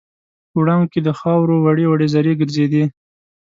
په وړانګو کې د خاوور وړې زرې ګرځېدې.